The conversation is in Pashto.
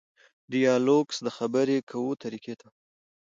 ډیالکټوس د خبري کوو طریقې ته وایي.